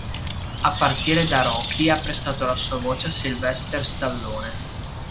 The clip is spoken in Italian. A partire da "Rocky" ha prestato la sua voce a Sylvester Stallone.